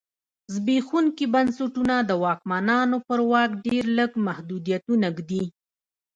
زبېښونکي بنسټونه د واکمنانو پر واک ډېر لږ محدودیتونه ږدي.